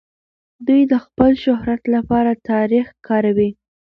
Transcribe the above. دوی د خپل شهرت لپاره تاريخ کاروي.